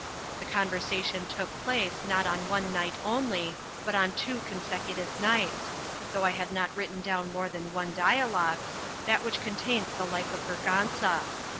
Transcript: The conversation took place not on one night only, but on two consecutive nights, though I have not written down more than one dialogue, that which contains the life of Berganza.